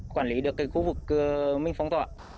quản lý được khu vực mình phong tỏa